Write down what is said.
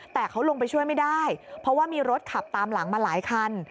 แต่เขาลงไปช่วยไม่ได้เพราะว่ามีรถขับตามหลังมาหลายคัน